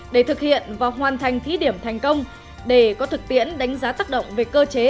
để thực hiện và hoàn thành thí điểm thành công để có thực tiễn đánh giá tác động về cơ chế